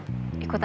iya boleh ikutan